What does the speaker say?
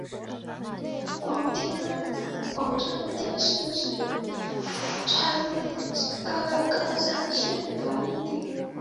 广川町是和歌山县的一町。